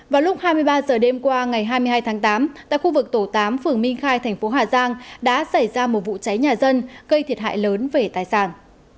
vào lúc hai mươi ba h đêm qua ngày hai mươi hai tháng tám tại khu vực tổ tám phường minh khai thành phố hà giang đã xảy ra một vụ cháy nhà dân gây thiệt hại lớn về tài sản